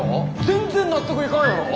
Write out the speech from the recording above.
全然納得いかんやろ？